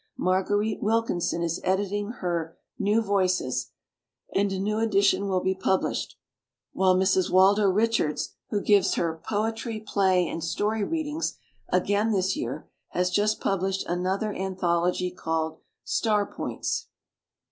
Marguerite Wilkin son is editing her "New Voices", and a new edition will be published, while Mrs. Waldo Richards, who gives her "Poetry, Play and Story Readings" again this year, has just published an other anthology called "Star Points".